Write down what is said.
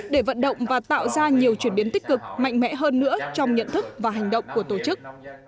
để vận động và tạo ra nhiều chuyển biến tích cực mạnh mẽ hơn nữa trong nhận thức và hành động của tổ chức